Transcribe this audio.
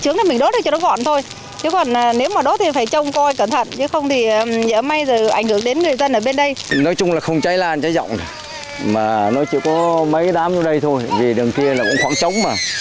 nói chung là không cháy lan cháy rộng mà nó chỉ có mấy đám vô đây thôi vì đường kia là cũng khoảng trống mà